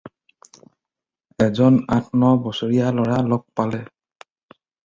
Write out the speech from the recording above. এজন আঠ-ন বছৰীয়া ল'ৰা লগ পালে।